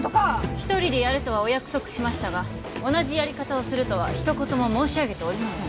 一人でやるとはお約束しましたが同じやり方をするとは一言も申し上げておりません